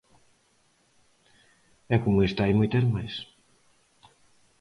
E como esta hai moitas máis.